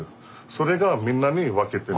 それがみんなに分けてる。